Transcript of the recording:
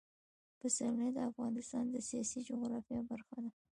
پسرلی د افغانستان د سیاسي جغرافیه برخه ده.